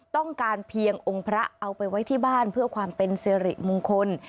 ต้องการเพียงองค์พระเอาไปไว้ที่บ้านเพื่อความเป็นสิริมงคล